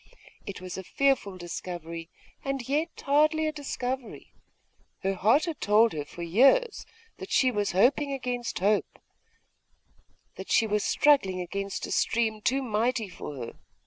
It was a fearful discovery, and yet hardly a discovery. Her heart had told her for years that she was hoping against hope, that she was struggling against a stream too mighty for her.